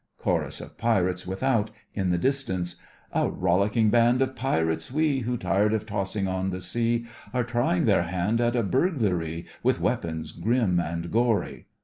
(Chorus of Pirates without, in the distance) A rollicking band of pirates we, Who, tired of tossing on the sea, Are trying their hand at a burglaree, With weapons grim and gory.